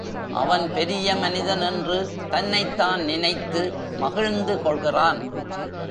அவன் பெரிய மனிதன் என்று தன்னைத்தான் நினைத்து மகிழ்ந்து கொள்கிறான்.